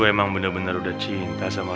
apakah ibu benar benar sudah cinta sama rumana